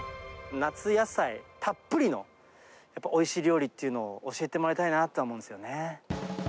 夏野菜たっぷりのおいしい料理っていうのを、教えてもらいたいなと思うんですよね。